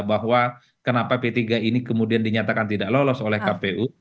bahwa kenapa p tiga ini kemudian dinyatakan tidak lolos oleh kpu